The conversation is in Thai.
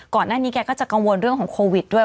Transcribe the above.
ก่อนหน้านี้แกก็จะกังวลเรื่องของโควิดด้วย